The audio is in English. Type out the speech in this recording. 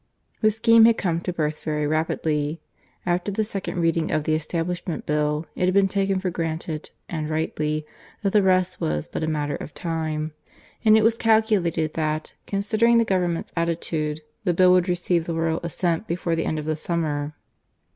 The scheme had come to birth very rapidly. After the second reading of the Establishment Bill, it had been taken for granted, and rightly, that the rest was but a matter of time, and it was calculated that, considering the Government's attitude, the Bill would receive the royal assent before the end of the summer.